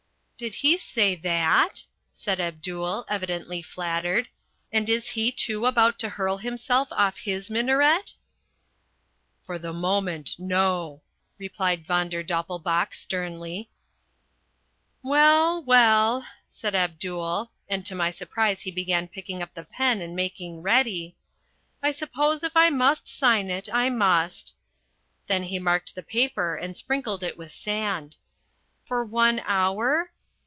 '" "Did he say that?" said Abdul, evidently flattered. "And is he too about to hurl himself off his minaret?" "For the moment, no," replied Von der Doppelbauch sternly. "Well, well," said Abdul, and to my surprise he began picking up the pen and making ready. "I suppose if I must sign it, I must." Then he marked the paper and sprinkled it with sand. "For one hour?